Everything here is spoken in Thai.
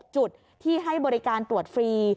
จุดที่ให้บริการตรวจฟรี